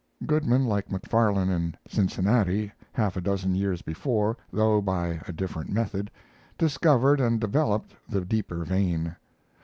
Goodman, like MacFarlane in Cincinnati, half a dozen years before, though by a different method, discovered and developed the deeper vein.